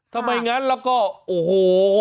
ไม่งั้นแล้วก็โอ้โห